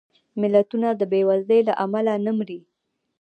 ملتونه د بېوزلۍ له امله نه مري